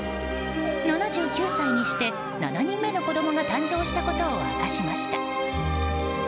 ７９歳にして、７人目の子供が誕生したことを明かしました。